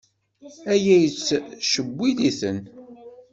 Aya yettcewwil-iten.